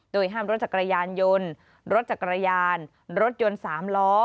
ห้ามรถจักรยานยนต์รถจักรยานรถยนต์๓ล้อ